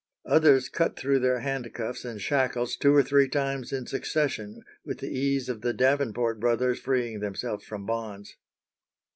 Others cut through their handcuffs and shackles two or three times in succession with the ease of the Davenport brothers freeing themselves from bonds.